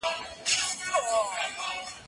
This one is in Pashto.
زه به اوږده موده د تکړښت لپاره تللي وم؟